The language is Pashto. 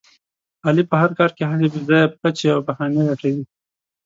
علي په هر کار کې هسې بې ځایه پچې او بهانې لټوي.